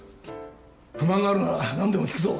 不満があるなら何でも聞くぞ